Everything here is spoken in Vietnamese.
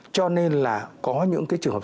cho nên là có những cái trường hợp